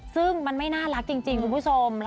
ซึ่งมันไม่น่ารักจริงคุณผู้ชม